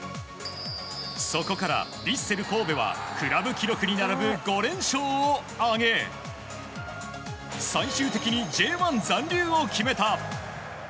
そこからヴィッセル神戸はクラブ記録に並ぶ５連勝を挙げ最終的にＪ１残留を決めた。